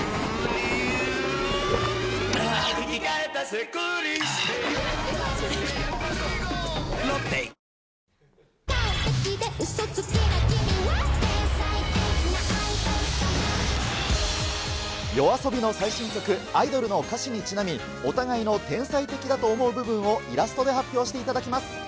サントリーＹＯＡＳＯＢＩの最新曲、アイドルの歌詞にちなみ、お互いの天才的だと思う部分をイラストで発表していただきます。